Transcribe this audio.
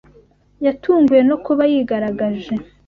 Yatunguwe no kuba yigaragaje.